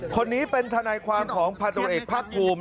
คนนี้เป็นทนายความของพันตรวจเอกภาคภูมิ